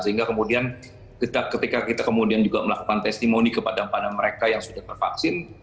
sehingga kemudian ketika kita melakukan testimoni kepada mereka yang sudah tervaksin